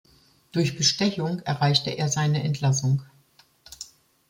Durch Bestechung erreichte er seine Entlassung.